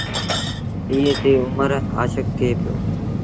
ايئي تي اُمر آشڪ ٿئي پيو۔